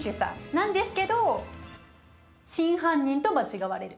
なんですけど真犯人と間違われる。